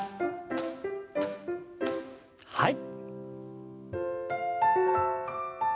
はい。